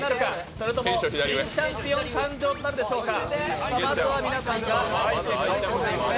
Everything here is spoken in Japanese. それとも新チャンピオン誕生となるでしょうか。